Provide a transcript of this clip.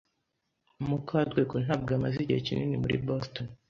Mukarwego ntabwo amaze igihe kinini muri Boston.